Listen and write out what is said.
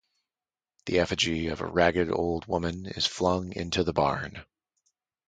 The effigy of a ragged old woman is flung into the barn.